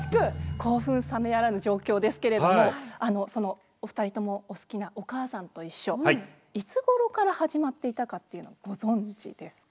興奮冷めやらぬ状況ですけれどもそのお二人ともお好きな「おかあさんといっしょ」いつごろから始まっていたかっていうのご存じですか？